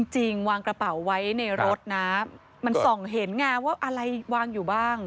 จริงวางกระเป๋าไว้ในรถนะมันส่องเห็นไงว่าอะไรวางอยู่บ้าง